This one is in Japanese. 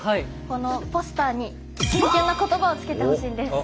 このポスターにキュンキュンな言葉をつけてほしいんです。